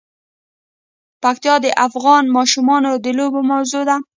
پکتیا د افغان ماشومانو د لوبو موضوع ده.